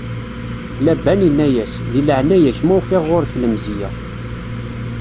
Laban inna-as: Di leɛnaya-k, ma ufiɣ ɣur-k lemzeyya.